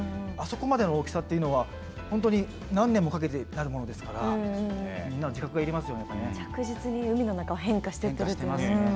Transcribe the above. あそこまでの大きさっていうのは本当に何年もかけてなるものですから着実に海の中は変化してってますよね。